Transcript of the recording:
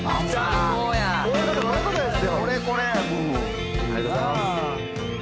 「ありがとうございます」